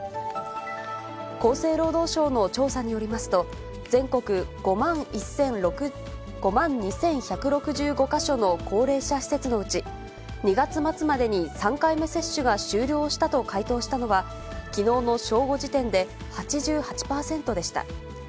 厚生労働省の調査によりますと、全国５万２１６５か所の高齢者施設のうち、２月末までに３回目接種が終了したと回答したのは、きのうの正午時点で、８８％でした。